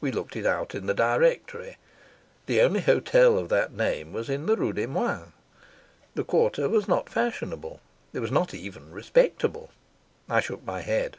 We looked it out in the directory. The only hotel of that name was in the Rue des Moines. The quarter was not fashionable; it was not even respectable. I shook my head.